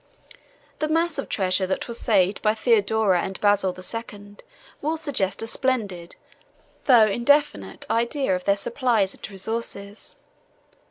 The mass of treasure that was saved by Theodora and Basil the Second will suggest a splendid, though indefinite, idea of their supplies and resources.